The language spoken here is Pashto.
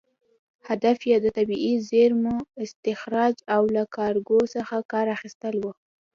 هدف یې د طبیعي زېرمو استخراج او له کارګرو څخه کار اخیستل و.